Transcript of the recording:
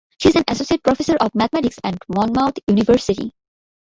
She is an associate professor of mathematics at Monmouth University.